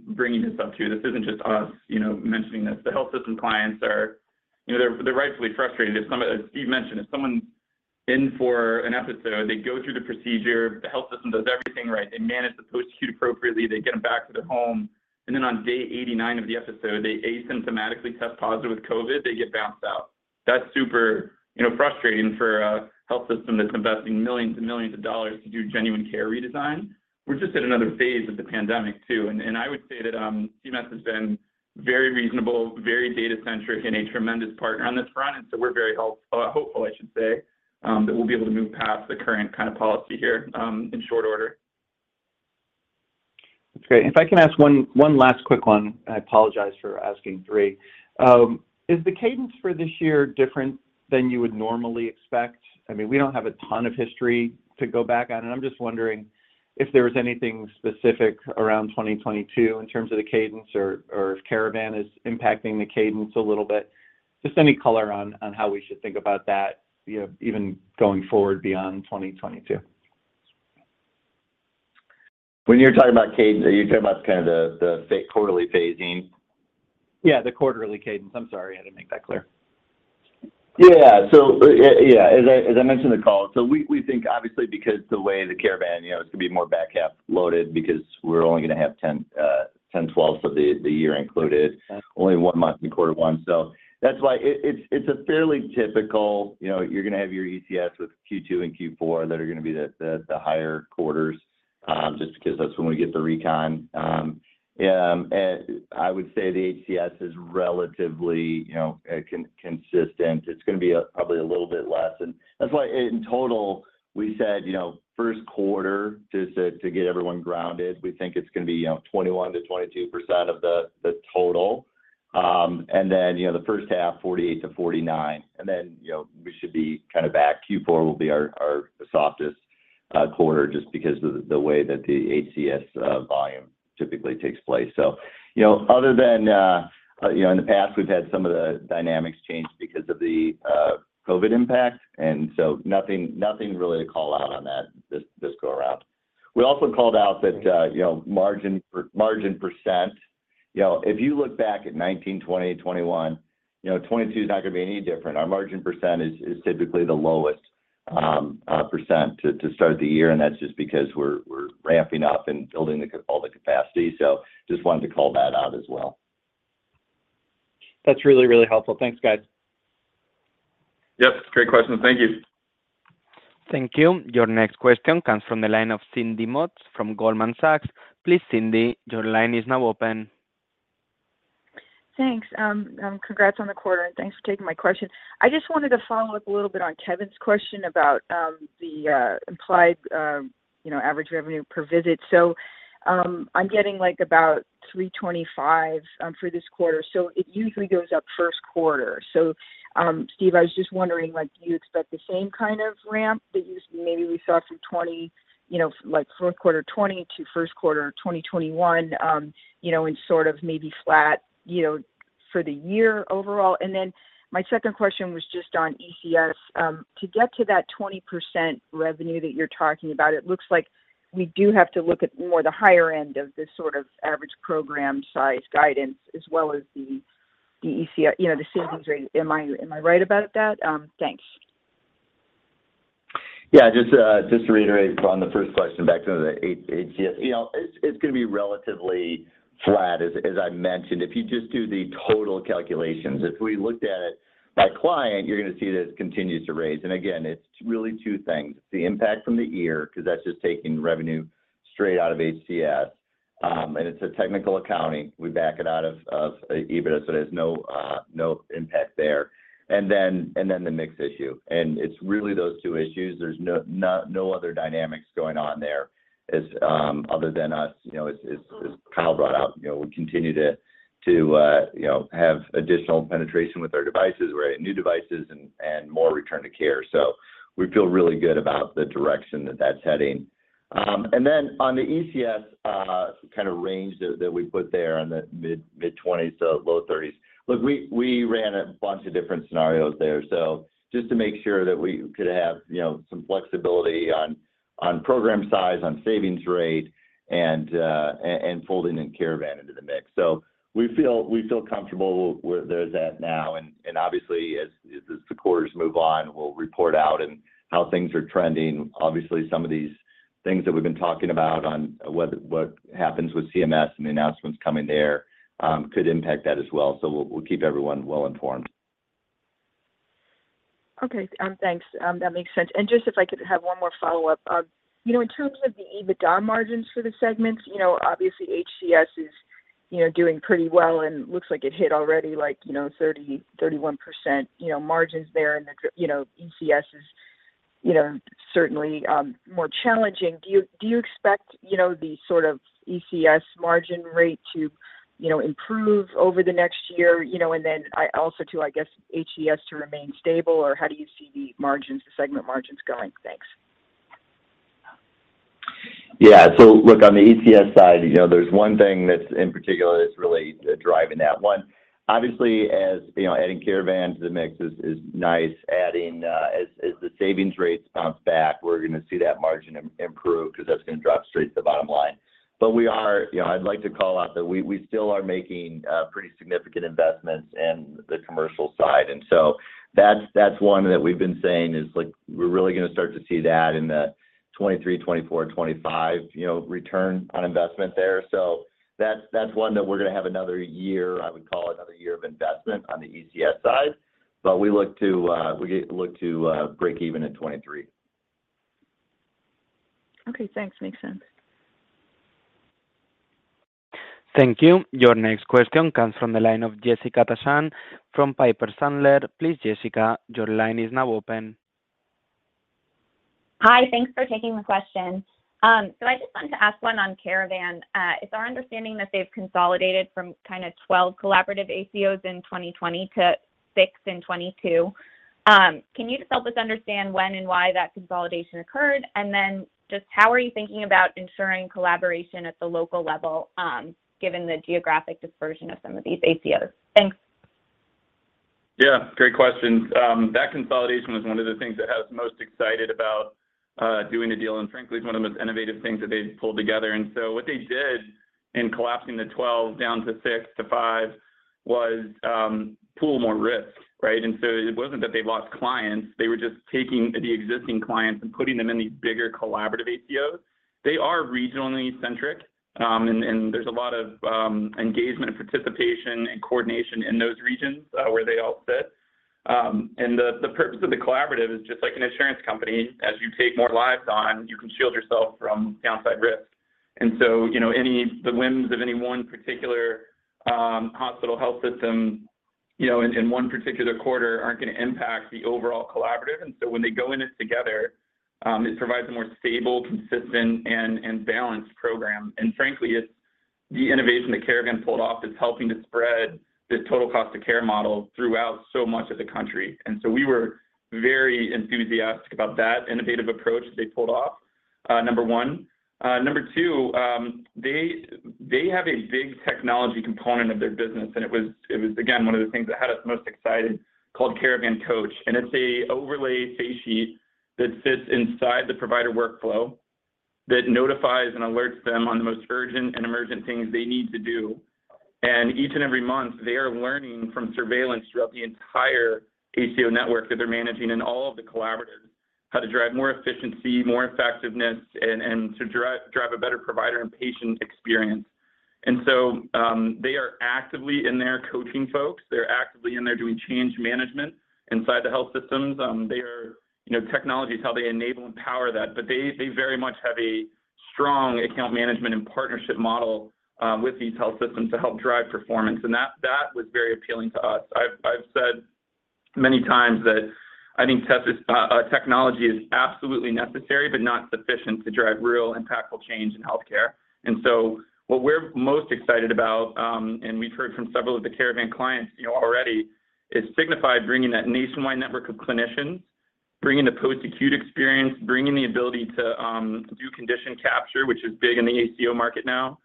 bringing this up too. This isn't just us, you know, mentioning this. The health system clients are, you know, they're rightfully frustrated. As Steve mentioned, if someone's in for an episode, they go through the procedure, the health system does everything right. They manage the post-acute appropriately. They get them back to their home. Then on day 89 of the episode, they asymptomatically test positive with COVID, they get bounced out. That's super, you know, frustrating for a health system that's investing millions and millions of dollars to do genuine care redesign. We're just in another phase of the pandemic too. I would say that CMS has been very reasonable, very data-centric, and a tremendous partner on this front. We're very hopeful, I should say, that we'll be able to move past the current kind of policy here in short order.
That's great. If I can ask one last quick one, and I apologize for asking three. Is the cadence for this year different than you would normally expect? I mean, we don't have a ton of history to go back on, and I'm just wondering if there was anything specific around 2022 in terms of the cadence or if Caravan is impacting the cadence a little bit. Just any color on how we should think about that, you know, even going forward beyond 2022.
When you're talking about cadence, are you talking about kind of the quarterly phasing?
Yeah, the quarterly cadence. I'm sorry, I didn't make that clear.
Yeah, as I mentioned in the call, we think obviously because the way the Caravan, you know, it's gonna be more back half loaded because we're only gonna have 10/12 of the year included.
Got it.
Only one month in quarter one. That's why it's a fairly typical, you know, you're gonna have your ETS with Q2 and Q4 that are gonna be the higher quarters, just because that's when we get the recon. I would say the HCS is relatively, you know, consistent. It's gonna be probably a little bit less. That's why in total, we said, you know, first quarter just to get everyone grounded, we think it's gonna be, you know, 21%-22% of the total. Then, you know, the first half, 48%-49%, and then, you know, we should be kind of back. Q4 will be our softest quarter just because of the way that the HCS volume typically takes place. You know, other than in the past, we've had some of the dynamics change because of the COVID impact, and nothing really to call out on that this go around. We also called out that you know, margin percent. You know, if you look back at 2019, 2020, 2021, you know, 2022 is not gonna be any different. Our margin percentage is typically the lowest percent to start the year, and that's just because we're ramping up and building all the capacity. Just wanted to call that out as well.
That's really, really helpful. Thanks, guys.
Yep. Great question. Thank you.
Thank you. Your next question comes from the line of Cindy Motz from Goldman Sachs. Please, Cindy, your line is now open.
Thanks. Congrats on the quarter, and thanks for taking my question. I just wanted to follow-up a little bit on Kevin's question about the implied, you know, average revenue per visit. I'm getting like about $325 for this quarter, so it usually goes up first quarter. Steve, I was just wondering, like, do you expect the same kind of ramp that we maybe saw from fourth quarter 2020 to first quarter 2021, you know, and sort of maybe flat, you know, for the year overall? Then my second question was just on ECS. To get to that 20% revenue that you're talking about, it looks like we do have to look at more the higher end of the sort of average program size guidance as well as the ECR, you know, the savings rate. Am I right about that? Thanks.
Yeah. Just to reiterate on the first question back to the HCS. You know, it's gonna be relatively flat as I mentioned. If you just do the total calculations, if we looked at it by client, you're gonna see that it continues to rise. And again, it's really two things, the impact from the EARs, 'cause that's just taking revenue straight out of HCS, and it's a technical accounting. We back it out of EBITDA, so there's no impact there. And then the mix issue. And it's really those two issues. There's no other dynamics going on there. Other than us, you know, as Kyle brought up, you know, we continue to have additional penetration with our devices. We're adding new devices and more return to care. We feel really good about the direction that that's heading. Then on the ECS kind of range that we put there in the mid-20s to low 30s. Look, we ran a bunch of different scenarios there. Just to make sure that we could have, you know, some flexibility on program size, on savings rate and folding in Caravan into the mix. We feel comfortable where we're at now. Obviously as the quarters move on, we'll report out on how things are trending. Obviously some of these things that we've been talking about on what happens with CMS and the announcements coming there could impact that as well. We'll keep everyone well informed.
Okay. Thanks. That makes sense. Just if I could have one more follow-up. You know, in terms of the EBITDA margins for the segments, you know, obviously HCS is, you know, doing pretty well, and looks like it hit already like, you know, 30%-31% margins there. And the, you know, ECS is, you know, certainly more challenging. Do you expect, you know, the sort of ECS margin rate to, you know, improve over the next year? You know, and then I also too, I guess HCS to remain stable, or how do you see the margins, the segment margins going? Thanks.
Look, on the ECS side, there's one thing that's in particular that's really driving that one. Obviously, as you know, adding Caravan to the mix is nice. Adding as the savings rates bounce back, we're gonna see that margin improve because that's gonna drop straight to the bottom line. But I'd like to call out that we still are making pretty significant investments in the commercial side, and that's one that we've been saying is like, we're really gonna start to see that in the 2023, 2024, 2025 return on investment there. That's one that we're gonna have another year, I would call it, another year of investment on the ECS side, but we look to break even in 2023.
Okay, thanks. Makes sense.
Thank you. Your next question comes from the line of Jessica Tassan from Piper Sandler. Please Jessica, your line is now open.
Hi. Thanks for taking the question. I just wanted to ask one on Caravan. It's our understanding that they've consolidated from kind of 12 collaborative ACOs in 2020 to 6 in 2022. Can you just help us understand when and why that consolidation occurred? Just how are you thinking about ensuring collaboration at the local level, given the geographic dispersion of some of these ACOs? Thanks.
Yeah, great questions. That consolidation was one of the things that has us most excited about doing the deal, and frankly is one of the most innovative things that they've pulled together. What they did in collapsing the 12 down to 6 to 5 was pool more risk, right? It wasn't that they lost clients, they were just taking the existing clients and putting them in these bigger collaborative ACOs. They are regionally centric. And there's a lot of engagement and participation and coordination in those regions where they all sit. The purpose of the collaborative is just like an insurance company. As you take more lives on, you can shield yourself from downside risk. You know, the whims of any one particular hospital health system, you know, in one particular quarter aren't gonna impact the overall collaborative. When they go in it together, it provides a more stable, consistent and balanced program. Frankly, it's the innovation that Caravan pulled off that's helping to spread the total cost of care model throughout so much of the country. We were very enthusiastic about that innovative approach that they pulled off, Number 2. Number 2, they have a big technology component of their business, and it was again, one of the things that had us most excited called Caravan Coach. It's a overlay face sheet that sits inside the provider workflow that notifies and alerts them on the most urgent and emergent things they need to do. Each and every month, they are learning from surveillance throughout the entire ACO network that they're managing in all of the collaboratives, how to drive more efficiency, more effectiveness, and to drive a better provider and patient experience. They are actively in there coaching folks. They're actively in there doing change management inside the health systems. You know, technology is how they enable and power that, but they very much have a strong account management and partnership model with these health systems to help drive performance. That was very appealing to us. I've said many times that I think technology is absolutely necessary but not sufficient to drive real impactful change in healthcare. What we're most excited about, and we've heard from several of the Caravan clients, you know, already, is Signify bringing that nationwide network of clinicians, bringing the post-acute experience, bringing the ability to do condition capture, which is big in the ACO market now.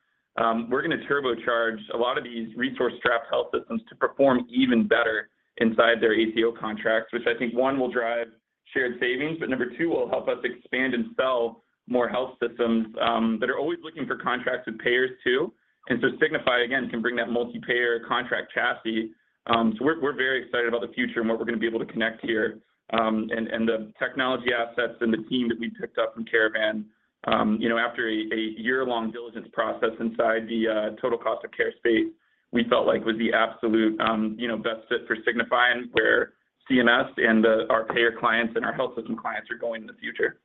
We're gonna turbocharge a lot of these resource strapped health systems to perform even better inside their ACO contracts, which I think one, will drive shared savings, but number two, will help us expand and sell more health systems that are always looking for contracts with payers too. Signify, again, can bring that multi-payer contract chassis. We're very excited about the future and what we're gonna be able to connect here. The technology assets and the team that we picked up from Caravan, you know, after a year-long diligence process inside the total cost of care space, we felt like it was the absolute, you know, best fit for Signify and where CMS and our payer clients and our health clients are going in the future.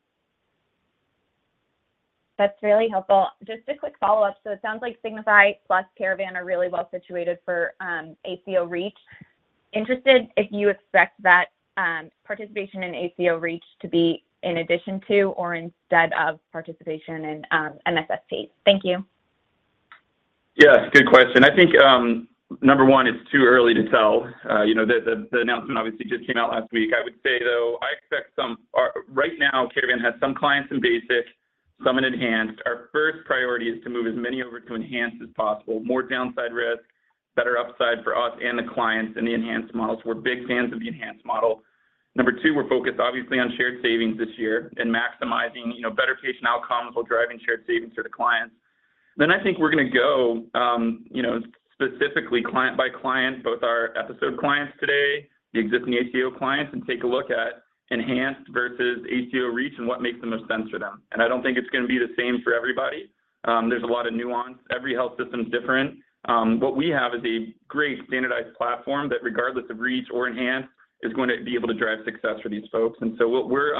That's really helpful. Just a quick follow-up. It sounds like Signify plus Caravan are really well situated for ACO REACH. Interested if you expect that, participation in ACO REACH to be in addition to or instead of participation in, MSSP? Thank you.
Yeah, good question. I think, Number 1, it's too early to tell. You know, the announcement obviously just came out last week. I would say, though, I expect some or right now, Caravan has some clients in basic, some in enhanced. Our first priority is to move as many over to enhanced as possible, more downside risk, better upside for us and the clients in the enhanced models. We're big fans of the enhanced model. Number 2, we're focused obviously on shared savings this year and maximizing, you know, better patient outcomes while driving shared savings for the clients. I think we're gonna go, you know, specifically client by client, both our episode clients today, the existing ACO clients, and take a look at enhanced versus ACO REACH and what makes the most sense for them. I don't think it's gonna be the same for everybody. There's a lot of nuance. Every health system is different. What we have is a great standardized platform that regardless of REACH or enhanced is going to be able to drive success for these folks. We're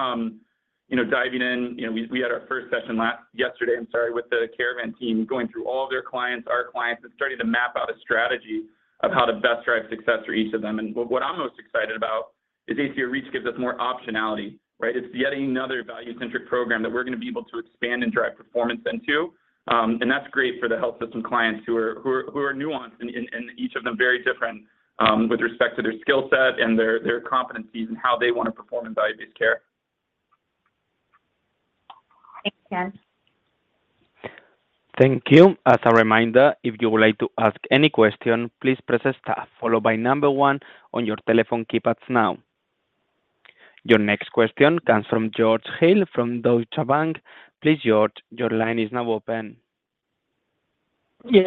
you know, diving in. You know, we had our first session yesterday, I'm sorry, with the Caravan team going through all their clients, our clients, and starting to map out a strategy of how to best drive success for each of them. What I'm most excited about is ACO REACH gives us more optionality, right? It's yet another value-centric program that we're gonna be able to expand and drive performance into. That's great for the health system clients who are nuanced and each of them very different, with respect to their skill set and their competencies and how they wanna perform in diabetes care.
Thanks, guys.
Thank you. As a reminder, if you would like to ask any question, please press Star followed by number one on your telephone keypads now. Your next question comes from George Hill from Deutsche Bank. Please, George, your line is now open.
Good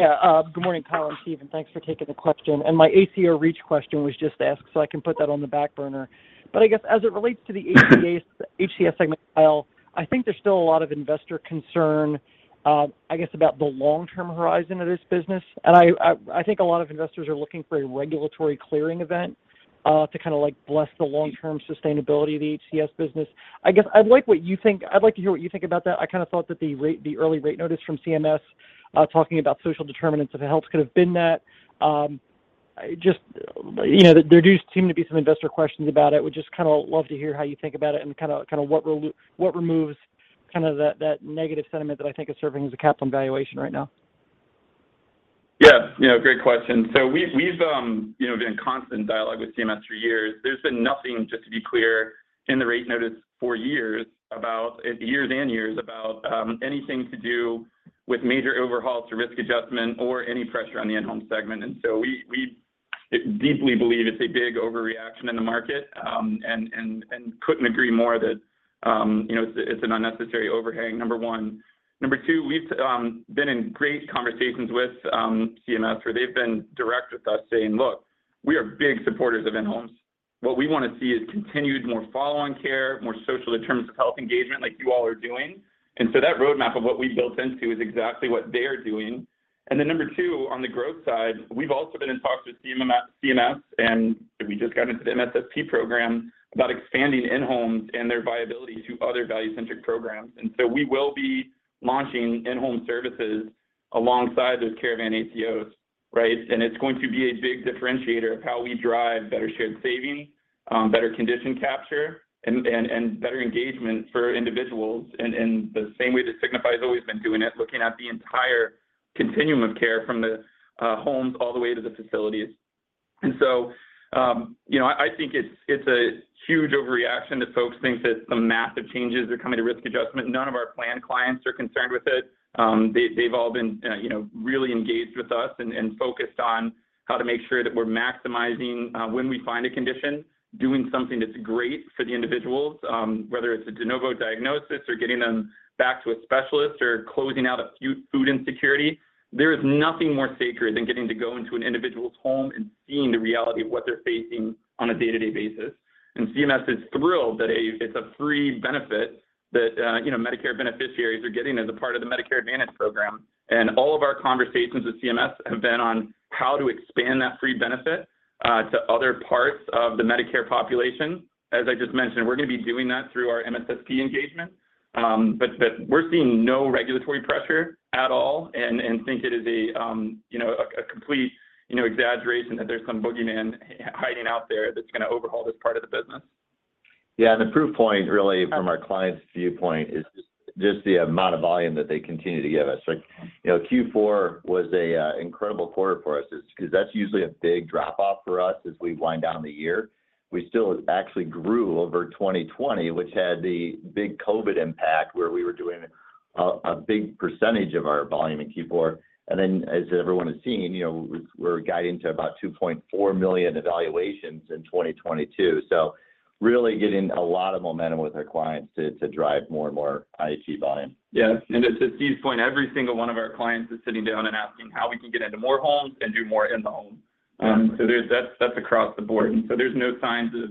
morning, Kyle and Steve. Thanks for taking the question. My ACO REACH question was just asked, so I can put that on the back burner. I guess as it relates to the HCS segment, Kyle, I think there's still a lot of investor concern about the long-term horizon of this business. I think a lot of investors are looking for a regulatory clearing event to kinda like bless the long-term sustainability of the HCS business. I'd like to hear what you think about that. I kinda thought that the early rate notice from CMS talking about social determinants of health could have been that. You know, there do seem to be some investor questions about it. Would just kinda love to hear how you think about it and kinda what removes kinda that negative sentiment that I think is serving as a cap on valuation right now.
Yeah. You know, great question. So we have been in constant dialogue with CMS for years. There's been nothing, just to be clear, in the rate notice for years about years and years about anything to do with major overhauls or risk adjustment or any pressure on the In-Home segment. We deeply believe it's a big overreaction in the market, and couldn't agree more that you know, it's an unnecessary overhang, Number 1. Number 2, we have been in great conversations with CMS, where they've been direct with us saying, Look, we are big supporters of In-Homes. What we wanna see is continued more follow-on care, more social determinants of health engagement like you all are doing. That roadmap of what we've built into is exactly what they are doing. Then Number 2, on the growth side, we've also been in talks with CMS, and we just got into the MSSP program about expanding In-Home and their viability to other value-centric programs. We will be launching In-Home services alongside those Caravan ACOs, right? It's going to be a big differentiator of how we drive better shared savings, better condition capture, and better engagement for individuals in the same way that Signify has always been doing it, looking at the entire continuum of care from the homes all the way to the facilities. You know, I think it's a huge overreaction that folks think that some massive changes are coming to risk adjustment. None of our plan clients are concerned with it. They've all been, you know, really engaged with us and focused on how to make sure that we're maximizing when we find a condition, doing something that's great for the individuals, whether it's a de novo diagnosis or getting them back to a specialist or closing out a food insecurity. There is nothing more sacred than getting to go into an individual's home and seeing the reality of what they're facing on a day-to-day basis. CMS is thrilled that it's a free benefit that, you know, Medicare beneficiaries are getting as a part of the Medicare Advantage program. All of our conversations with CMS have been on how to expand that free benefit to other parts of the Medicare population. As I just mentioned, we're gonna be doing that through our MSSP engagement. We're seeing no regulatory pressure at all and think it is a you know a complete you know exaggeration that there's some boogeyman hiding out there that's gonna overhaul this part of the business.
Yeah. The proof point really from our clients' viewpoint is just the amount of volume that they continue to give us. Like, you know, Q4 was a incredible quarter for us. It's 'cause that's usually a big drop-off for us as we wind down the year. We still actually grew over 2020, which had the big COVID impact, where we were doing a big percentage of our volume in Q4. As everyone is seeing, you know, we're guiding to about 2.4 million evaluations in 2022. Really getting a lot of momentum with our clients to drive more and more IE volume.
Yes. To Steve's point, every single one of our clients is sitting down and asking how we can get into more homes and do more in the home. That's across the board. There's no signs of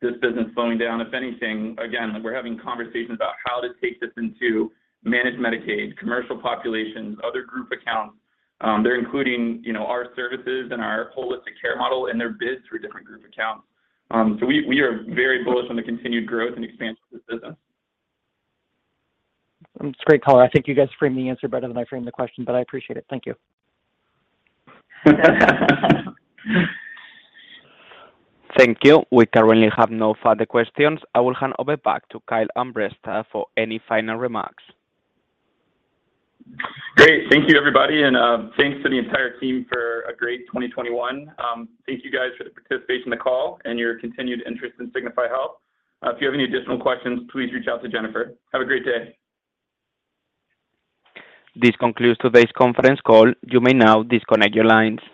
this business slowing down. If anything, again, we're having conversations about how to take this into managed Medicaid, commercial populations, other group accounts. They're including, you know, our services and our holistic care model in their bids for different group accounts. We are very bullish on the continued growth and expansion of this business.
That's great, Kyle. I think you guys framed the answer better than I framed the question, but I appreciate it. Thank you.
Thank you. We currently have no further questions. I will hand over back to Kyle Armbrester for any final remarks.
Great. Thank you, everybody, and thanks to the entire team for a great 2021. Thank you guys for the participation in the call and your continued interest in Signify Health. If you have any additional questions, please reach out to Jennifer. Have a great day.
This concludes today's conference call. You may now disconnect your lines.